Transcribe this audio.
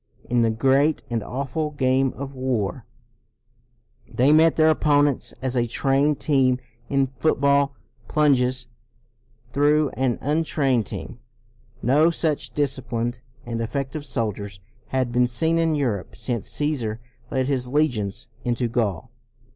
In the great and awful game of war, they met their opponents as a trained team in football plunges through an untrained team. No such disciplined and effective soldiers had been seen in Europe since Caesar led his legions into Gaul.